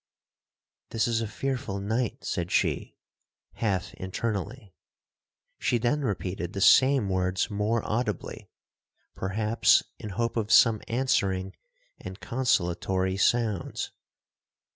'This is a fearful night,' said she, half internally. She then repeated the same words more audibly, perhaps in hope of some answering and consolatory sounds.